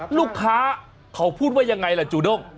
ลูกค้าเขาพูดว่ายังไงล่ะจูด้ง